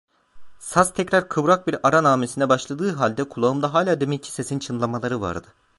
Saz tekrar kıvrak bir ara nağmesine başladığı halde, kulağımda hala deminki sesin çınlamaları vardı.